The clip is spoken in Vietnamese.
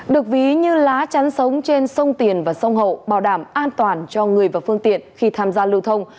được ví như lá chắn sống trên sông tiền và sông hậu bảo đảm an toàn cho người và phương tiện khi tham gia lưu thông